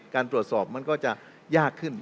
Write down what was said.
การตรวจสอบมันก็จะยากขึ้น